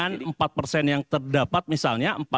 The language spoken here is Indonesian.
dan empat yang terdapat misalnya